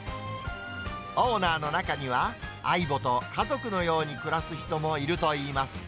オーナーの中には、ＡＩＢＯと家族のように暮らす人もいるといいます。